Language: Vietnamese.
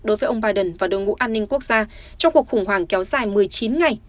đối với ông biden và đội ngũ an ninh quốc gia trong cuộc khủng hoảng kéo dài một mươi chín ngày